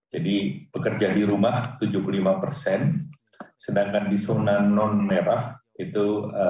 jadi pekerja di rumah tujuh puluh lima sedangkan di zona non nerah itu lima puluh lima puluh